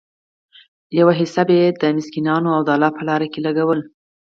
يوه حيصه به ئي د مسکينانو او د الله په لاره لګوله